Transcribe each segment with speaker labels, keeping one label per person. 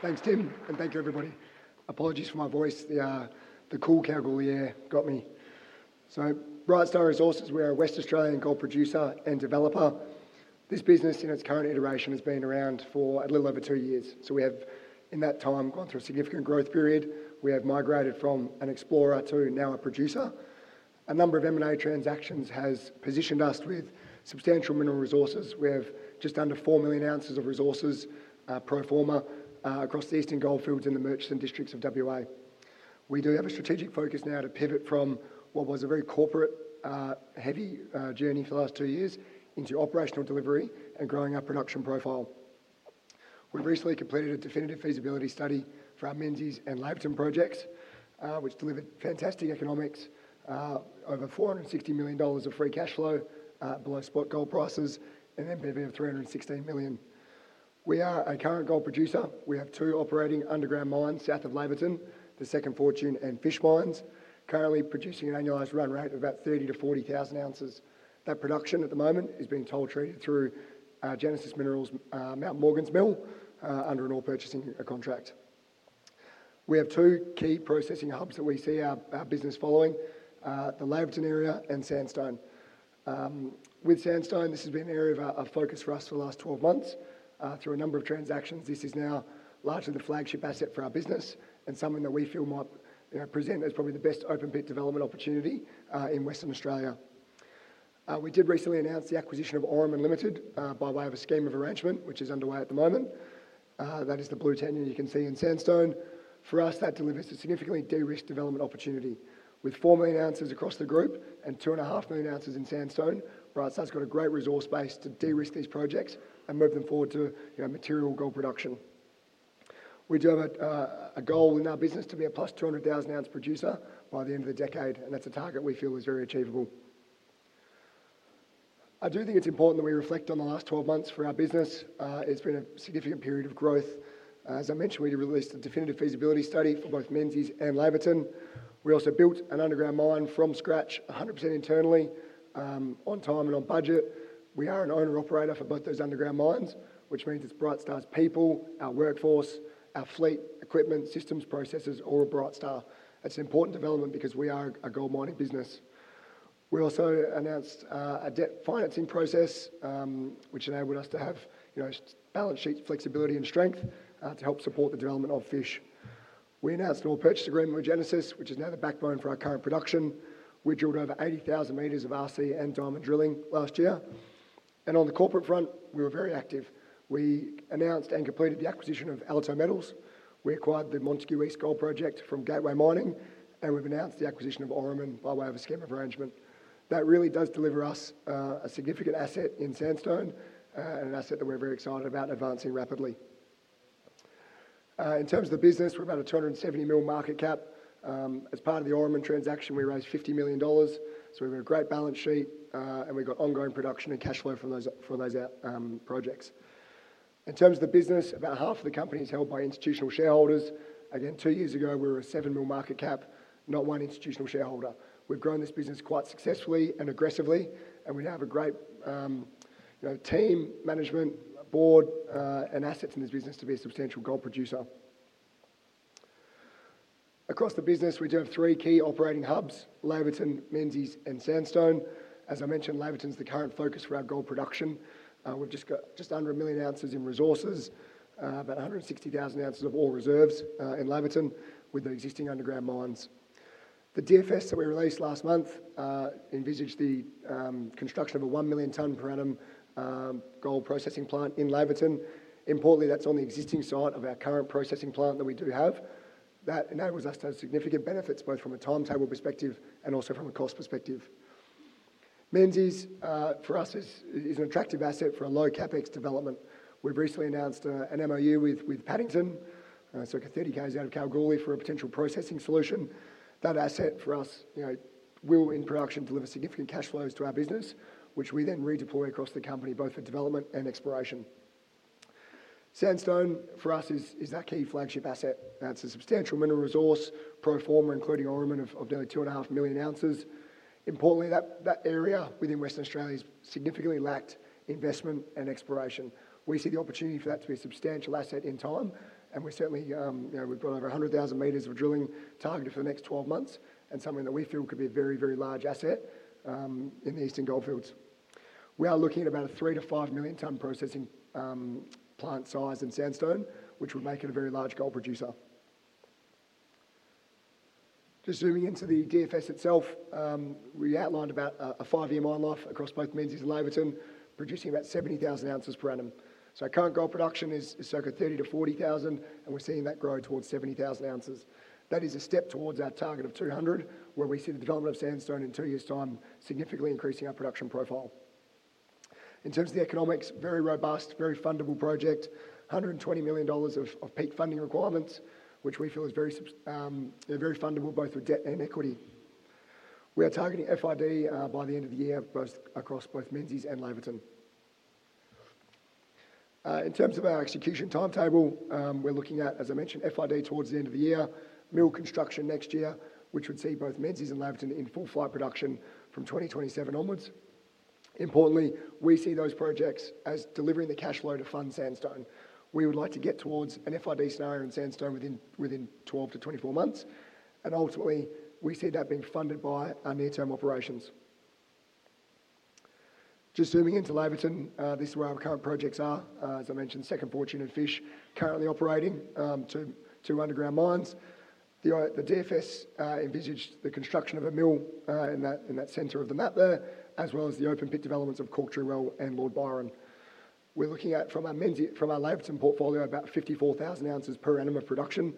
Speaker 1: Thanks, Tim, and thank you, everybody. Apologies for my voice. The cool [cowgirl] here got me. Brightstar Resources, we're a West Australian gold producer and developer. This business, in its current iteration, has been around for a little over two years. We have, in that time, gone through a significant growth period. We have migrated from an explorer to now a producer. A number of M&A transactions have positioned us with substantial mineral resources. We have just under 4 million ounces of resources per former across the Eastern Goldfields in the merchant districts of WA. We do have a strategic focus now to pivot from what was a very corporate-heavy journey for the last two years into operational delivery and growing our production profile. We've recently completed a definitive feasibility study for our Menzies and Laverton projects, which delivered fantastic economics, over $460 million of free cash flow below spot gold prices, and then a benefit of $316 million. We are a current gold producer. We have two operating underground mines south of Laverton, the Second Fortune and Fish Mines, currently producing an annualized run rate of about 30,000 - 40,000 ounces. That production at the moment is being toll-treated through Genesis Minerals' Mount Morgans mill under an all-purchasing contract. We have two key processing hubs that we see our business following: the Laverton area and Sandstone. With Sandstone, this has been an area of focus for us for the last 12 months. Through a number of transactions, this is now largely the flagship asset for our business and something that we feel might present as probably the best open-pit gold development opportunity in Western Australia. We did recently announce the acquisition of Oryx Mining Limited by way of a scheme of arrangement, which is underway at the moment. That is the blue tender you can see in Sandstone. For us, that delivers a significantly de-risked development opportunity. With 4 million ounces across the group and 2.5 million ounces in Sandstone, Brightstar's got a great resource base to de-risk these projects and move them forward to material gold production. We do have a goal in our business to be a plus 200,000-ounce producer by the end of the decade, and that's a target we feel is very achievable. I do think it's important that we reflect on the last 12 months for our business. It's been a significant period of growth. As I mentioned, we released a definitive feasibility study for both Menzies and Laverton. We also built an underground mine from scratch, 100% internally, on time and on budget. We are an owner-operator for both those underground mines, which means it's Brightstar's people, our workforce, our fleet, equipment, systems, processes, all at Brightstar. It's an important development because we are a gold mining business. We also announced a debt financing process, which enabled us to have balance sheets, flexibility, and strength to help support the development of fish. We announced an all-purchase agreement with Genesis, which is now the backbone for our current production. We drilled over 80,000 metres of RC and diamond drilling last year. On the corporate front, we were very active. We announced and completed the acquisition of Alato Metals. We acquired the Montagu East Gold Project from Gateway Mining, and we've announced the acquisition of Oryx Mining Limited (Oryman) by way of a scheme of arrangement. That really does deliver us a significant asset in Sandstone, an asset that we're very excited about advancing rapidly. In terms of the business, we've got about a $270 million market cap. As part of the Oryman transaction, we raised $50 million. We have a great balance sheet, and we've got ongoing production and cash flow from those projects. In terms of the business, about half of the company is held by institutional shareholders. Two years ago, we were a $7 million market cap, not one institutional shareholder. We've grown this business quite successfully and aggressively, and we now have a great team management, board, and assets in this business to be a substantial gold producer. Across the business, we do have three key operating hubs: Laverton, Menzies, and Sandstone. As I mentioned, Laverton's the current focus for our gold production. We've just got just under a million ounces in resources, about 160,000 ounces of ore reserves in Laverton with the existing underground mines. The DFS that we released last month envisaged the construction of a 1 million-ton per annum gold processing plant in Laverton. Importantly, that's on the existing site of our current processing plant that we do have. That enables us to have significant benefits, both from a timetable perspective and also from a cost perspective. Menzies for us is an attractive asset for a low CapEx development. We've recently announced an MOU with Paddington, so 30K out of Kalgoorlie for a potential processing solution. That asset for us will, in production, deliver significant cash flows to our business, which we then redeploy across the company, both for development and exploration. Sandstone for us is that key flagship asset. It's a substantial mineral resource, pro forma, including Oryman of nearly 2.5 million ounces. Importantly, that area within Western Australia has significantly lacked investment and exploration. We see the opportunity for that to be a substantial asset in time, and we certainly have got over 100,000 meters of drilling targeted for the next 12 months and something that we feel could be a very, very large asset in the Eastern Goldfields. We are looking at about a 3 - 5 million-ton processing plant size in Sandstone, which would make it a very large gold producer. Just zooming into the DFS itself, we outlined about a five-year mine life across both Menzies and Laverton, producing about 70,000 ounces per annum. Our current gold production is circa 30,000 - 40,000, and we're seeing that grow towards 70,000 ounces. That is a step towards our target of 200, where we see the development of Sandstone in two years' time significantly increasing our production profile. In terms of the economics, very robust, very fundable project, $120 million of peak funding requirements, which we feel is very fundable both for debt and equity. We are targeting FID by the end of the year, both across Menzies and Laverton. In terms of our execution timetable, we're looking at, as I mentioned, FID towards the end of the year, mill construction next year, which would see both Menzies and Laverton in full-flight production from 2027 onwards. Importantly, we see those projects as delivering the cash flow to fund Sandstone. We would like to get towards an FID scenario in Sandstone within 12 - 24 months, and ultimately, we see that being funded by our near-term operations. Just zooming into Laverton, this is where our current projects are. As I mentioned, Second Fortune and Fish currently operating two underground mines. The DFS envisaged the construction of a mill in that center of the map there, as well as the open pit developments of Cork Tree Well and Lord Byron. We're looking at, from our Laverton portfolio, about 54,000 ounces per annum of production.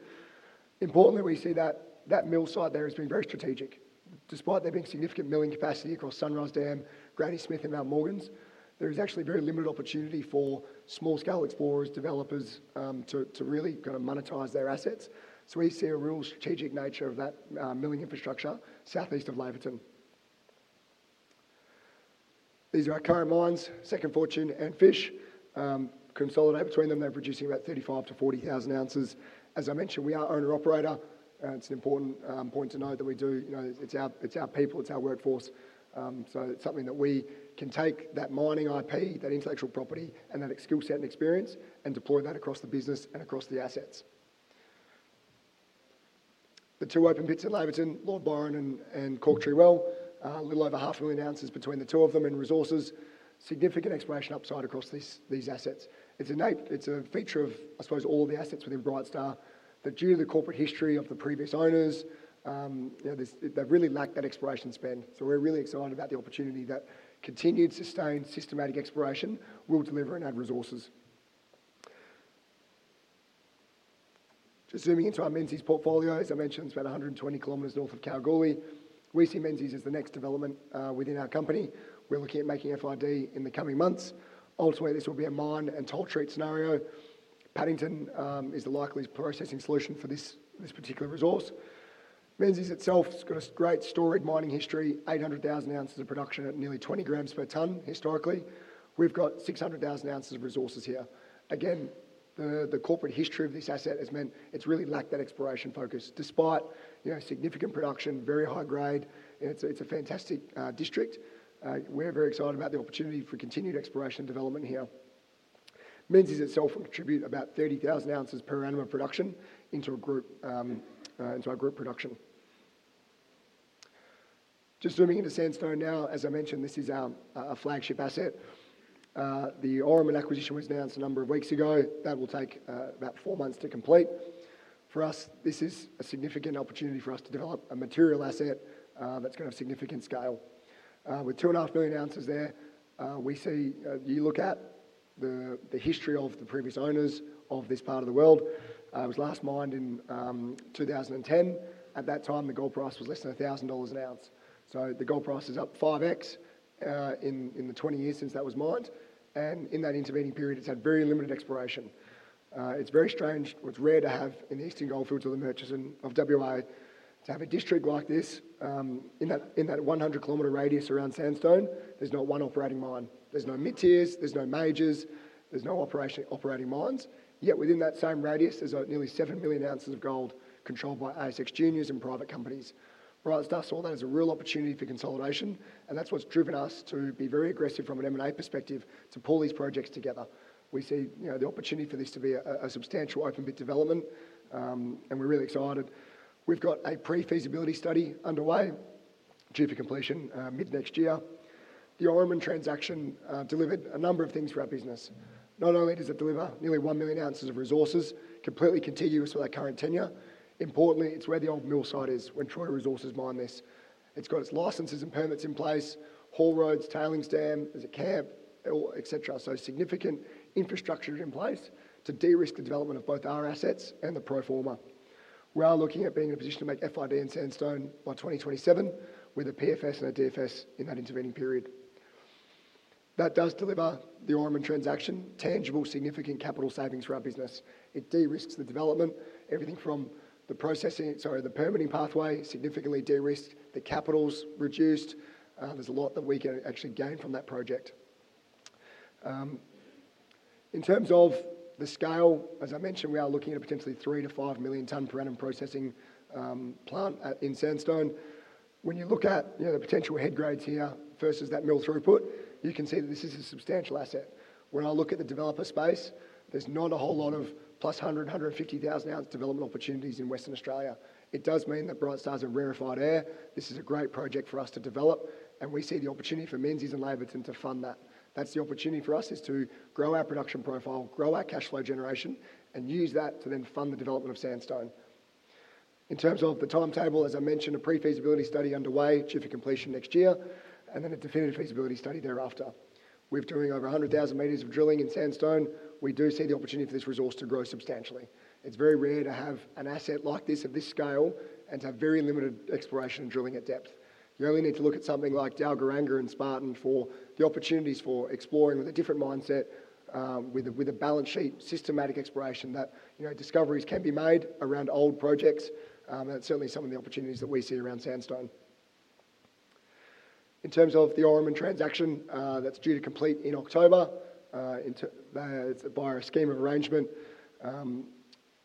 Speaker 1: Importantly, we see that that mill site there has been very strategic. Despite there being significant milling capacity across Sunrise Dam, Granny Smith, and Mount Morgans, there is actually very limited opportunity for small-scale explorers, developers to really kind of monetize their assets. We see a real strategic nature of that milling infrastructure southeast of Laverton. These are our current mines, Second Fortune and Fish. Consolidated between them, they're producing about 35,000 - 40,000 ounces. As I mentioned, we are owner-operator. It's an important point to note that we do, you know, it's our people, it's our workforce. It's something that we can take that mining IP, that intellectual property, and that skill set and experience and deploy that across the business and across the assets. The two open pits at Laverton, Lord Byron and Cork Tree Well, a little over half a million ounces between the two of them in resources, significant exploration upside across these assets. It's a feature of, I suppose, all of the assets within Brightstar, but due to the corporate history of the previous owners, they really lacked that exploration spend. We're really excited about the opportunity that continued sustained systematic exploration will deliver and add resources. Just zooming into our Menzies portfolio, as I mentioned, it's about 120 kilometers north of Kalgoorlie. We see Menzies as the next development within our company. We're looking at making FID in the coming months. Ultimately, this will be a mine and toll-treat scenario. Paddington is the likely processing solution for this particular resource. Menzies itself has got a great storage mining history, 800,000 ounces of production at nearly 20 grams per ton, historically. We've got 600,000 ounces of resources here. Again, the corporate history of this asset has meant it's really lacked that exploration focus, despite significant production, very high grade, and it's a fantastic district. We're very excited about the opportunity for continued exploration and development here. Menzies itself will contribute about 30,000 ounces per annum of production into our group production. Just zooming into Sandstone now, as I mentioned, this is our flagship asset. The Oryman acquisition was announced a number of weeks ago. That will take about four months to complete. For us, this is a significant opportunity for us to develop a material asset that's going to have significant scale. With 2.5 million ounces there, we see, if you look at the history of the previous owners of this part of the world, it was last mined in 2010. At that time, the gold price was less than $1,000 an ounce. The gold price is up 5X in the 20 years since that was mined. In that intervening period, it's had very limited exploration. It's very strange, it's rare to have in the Eastern Goldfields or the merchants of Western Australia to have a district like this. In that 100 kilometre radius around Sandstone, there's not one operating mine. There's no mid-tiers, there's no majors, there's no operating mines. Yet within that same radius, there's nearly 7 million ounces of gold controlled by ASX Juniors and private companies. Brightstar saw that as a real opportunity for consolidation, and that's what's driven us to be very aggressive from an M&A perspective to pull these projects together. We see the opportunity for this to be a substantial open pit development, and we're really excited. We've got a pre-feasibility study underway due for completion mid-next year. The Oryx Mining Limited (Oryman) transaction delivered a number of things for our business. Not only does it deliver nearly 1 million ounces of resources, completely contiguous with our current tenure, importantly, it's where the old mill site is when Troy Resources mined this. It's got its licenses and permits in place, haul roads, tailings dam, there's a camp, et cetera. Significant infrastructure is in place to de-risk the development of both our assets and the pro forma. We are looking at being in a position to make FID in Sandstone by 2027 with a PFS and a definitive feasibility study in that intervening period. That does deliver the Oryx Mining Limited (Oryman) transaction tangible, significant capital savings for our business. It de-risks the development. Everything from the processing, sorry, the permitting pathway significantly de-risked, the capital's reduced. There's a lot that we can actually gain from that project. In terms of the scale, as I mentioned, we are looking at a potentially 3 - 5 million-ton per annum processing plant in Sandstone. When you look at the potential head grades here versus that mill throughput, you can see that this is a substantial asset. When I look at the developer space, there's not a whole lot of plus 100,000, 150,000-ounce development opportunities in Western Australia. It does mean that Brightstar's a rarefied heir. This is a great project for us to develop, and we see the opportunity for Menzies and Laverton to fund that. That's the opportunity for us is to grow our production profile, grow our cash flow generation, and use that to then fund the development of Sandstone. In terms of the timetable, as I mentioned, a pre-feasibility study underway due for completion next year, and then a definitive feasibility study thereafter. With doing over 100,000 meters of drilling in Sandstone, we do see the opportunity for this resource to grow substantially. It's very rare to have an asset like this of this scale and to have very limited exploration and drilling at depth. You only need to look at something like Dalgaranga and Spartan for the opportunities for exploring with a different mindset, with a balance sheet, systematic exploration that discoveries can be made around old projects. That's certainly some of the opportunities that we see around Sandstone. In terms of the Oryx Mining Limited (Oryman) transaction, that's due to complete in October. It's by a scheme of arrangement.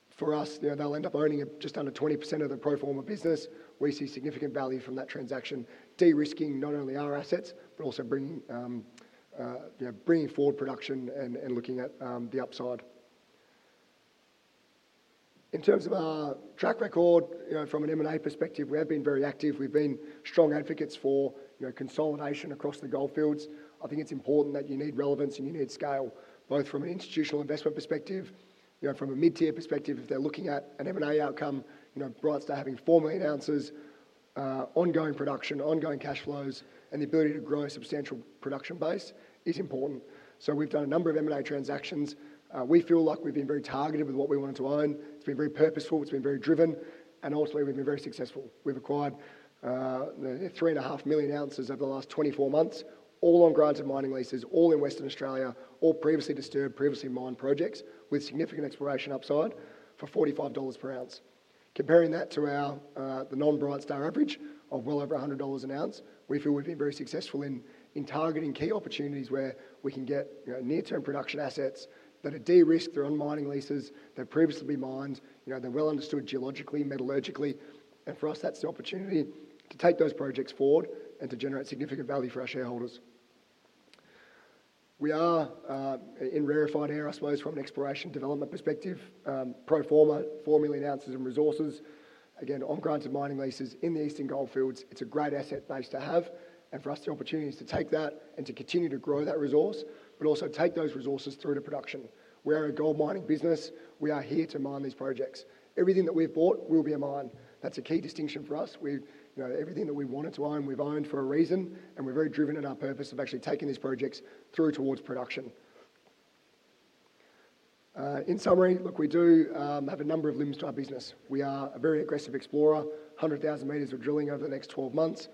Speaker 1: For us, they'll end up owning just under 20% of the pro forma business. We see significant value from that transaction, de-risking not only our assets, but also bringing forward production and looking at the upside. In terms of our track record, from an M&A perspective, we have been very active. We've been strong advocates for consolidation across the goldfields. I think it's important that you need relevance and you need scale, both from an institutional investment perspective, from a mid-tier perspective. If they're looking at an M&A outcome, Brightstar Resources having 4 million ounces, ongoing production, ongoing cash flows, and the ability to grow a substantial production base is important. We've done a number of M&A transactions. We feel like we've been very targeted with what we wanted to own. It's been very purposeful. It's been very driven. Ultimately, we've been very successful. We've acquired 3.5 million ounces over the last 24 months, all on granted mining leases, all in Western Australia, all previously disturbed, previously mined projects with significant exploration upside for $45 per ounce. Comparing that to the non-Brightstar Resources average of well over $100 an ounce, we feel we've been very successful in targeting key opportunities where we can get near-term production assets that are de-risked through on mining leases that previously been mined, they're well understood geologically, metallurgically. For us, that's the opportunity to take those projects forward and to generate significant value for our shareholders. We are in rarefied air, I suppose, from an exploration development perspective. Pro forma, 4 million ounces of resources. Again, on granted mining leases in the Eastern Goldfields, it's a great asset base to have. For us, the opportunity is to take that and to continue to grow that resource, but also take those resources through to production. We are a gold mining business. We are here to mine these projects. Everything that we've bought will be a mine. That's a key distinction for us. Everything that we wanted to own, we've owned for a reason, and we're very driven in our purpose of actually taking these projects through towards production. In summary, we do have a number of limbs to our business. We are a very aggressive explorer, 100,000 meters of drilling over the next 12 months.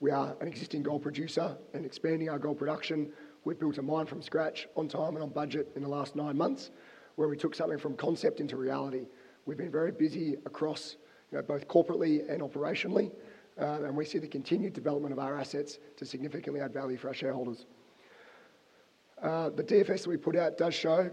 Speaker 1: We are an existing gold producer and expanding our gold production. We've built a mine from scratch on time and on budget in the last nine months, where we took something from concept into reality. We've been very busy across both corporately and operationally, and we see the continued development of our assets to significantly add value for our shareholders. The definitive feasibility study that w e put out does show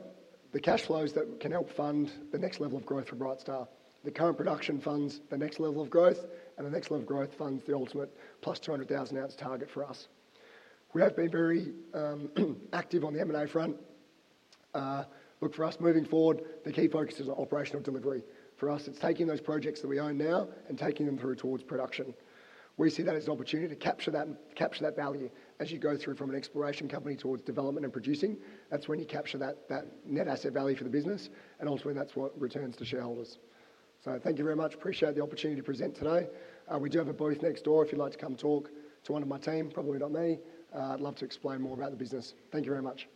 Speaker 1: the cash flows that can help fund the next level of growth for Brightstar Resources. The current production funds the next level of growth, and the next level of growth funds the ultimate plus 200,000-ounce target for us. We have been very active on the M&A front. For us moving forward, the key focus is operational delivery. For us, it's taking those projects that we own now and taking them through towards production. We see that as an opportunity to capture that value as you go through from an exploration company towards development and producing. That's when you capture that net asset value for the business, and ultimately, that's what returns to shareholders. Thank you very much. Appreciate the opportunity to present today. We do have a booth next door if you'd like to come talk to one of my team, probably not me. I'd love to explain more about the business. Thank you very much.